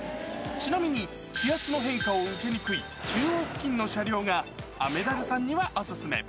ちなみに気圧の変化を受けにくい、中央付近の車両が、雨ダルさんにはお勧め。